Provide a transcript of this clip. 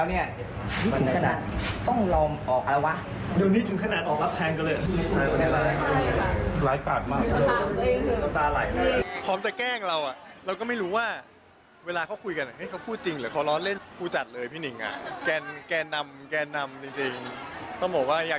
เดี๋ยวนี้จึงขนาดออกแล้วแพงกะเรียง